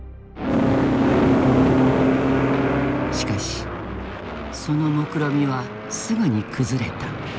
しかしそのもくろみはすぐに崩れた。